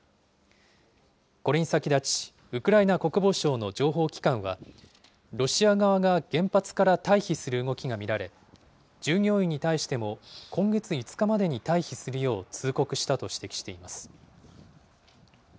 これに先立ち、ウクライナ国防省の情報機関は、ロシア側が原発から退避する動きが見られ、従業員に対しても今月５日までに退避するよう通告したと指摘しています。